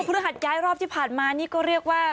ฤหัสย้ายรอบที่ผ่านมานี่ก็เรียกว่า